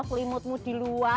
kamu juga di luar